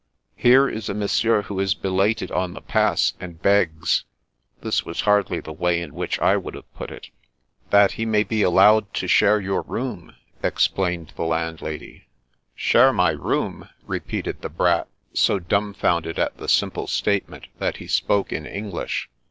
" Here is a monsieur who is belated on the Pass, and b^s" (this was hardly the way in which I would have put it) "that he may be allowed to share your room/* explained our landlady. '* Share my room!" repeated the Brat, so dum founded at the simple statement that he spoke in English.